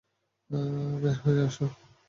বের হয়ে আসো!